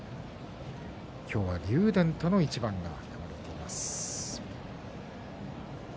今日は竜電との一番が組まれています。